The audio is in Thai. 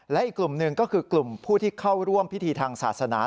และอีกกลุ่มหนึ่งก็คือกลุ่มผู้ที่เข้าร่วมพิธีทางศาสนา